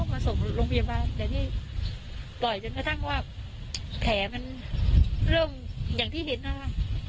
มาส่งโรงพยาบาลแต่นี่ปล่อยจนกระทั่งว่าแผลมันเริ่มอย่างที่เห็นนะคะ